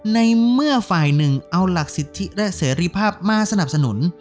ในเมื่อฝ่ายหนึ่งเอาหลักสิทธิและเสรีภาพมาสนับสนุน